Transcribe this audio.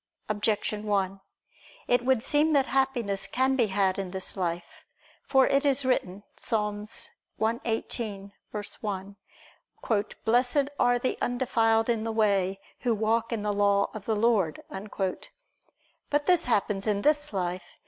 Objection 1: It would seem that Happiness can be had in this life. For it is written (Ps. 118:1): "Blessed are the undefiled in the way, who walk in the law of the Lord." But this happens in this life.